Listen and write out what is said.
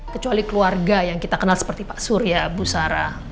kecuali keluarga yang kita kenal seperti pak surya bu sara